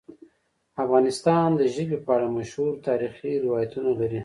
افغانستان د ژبې په اړه مشهور تاریخی روایتونه لري.